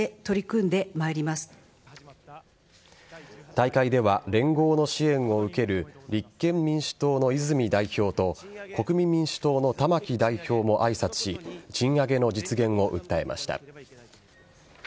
大会では連合の支援を受ける立憲民主党の泉代表と国民民主党の玉木代表も挨拶し賃上げの実現を訴えました。